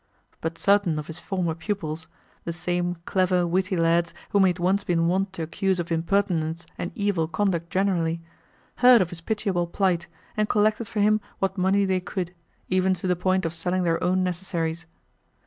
But certain of his former pupils the same clever, witty lads whom he had once been wont to accuse of impertinence and evil conduct generally heard of his pitiable plight, and collected for him what money they could, even to the point of selling their own necessaries.